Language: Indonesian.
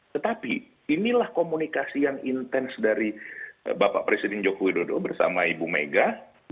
tetapi inilah komunikasi yang intens dari bapak presiden joko widodo bersama ibu mega